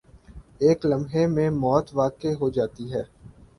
ایک لمحے میں موت واقع ہو جاتی ہے۔